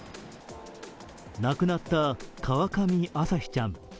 亡くなった川上朝輝ちゃん。